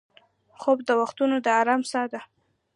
خوب د وختو د ارام سا ده